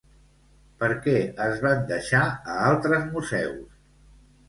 Per què es van deixar a altres museus?